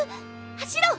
走ろう！